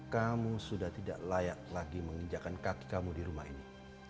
kamu sudah tidak layak lagi menginjakan kaki kamu di rumah ini